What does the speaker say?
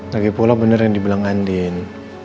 lagipula bener yang dibilang andien